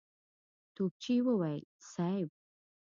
توپچي وويل: صېب!